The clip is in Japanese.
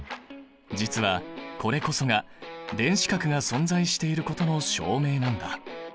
実はこれこそが電子殻が存在していることの証明なんだ。